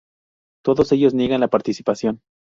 Todos ellos niegan la participación.